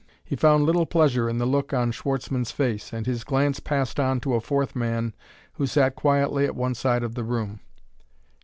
He found little pleasure in the look on Schwartzmann's face, and his glance passed on to a fourth man who sat quietly at one side of the room.